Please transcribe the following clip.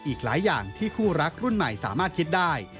อีกหลายอย่างที่คู่รักรุ่นใหม่สามารถคิดได้